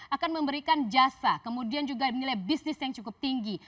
akan memberikan jasa kemudian juga nilai bisnis yang cukup tinggi